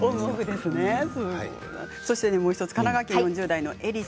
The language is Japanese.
もう１つ神奈川県４０代の方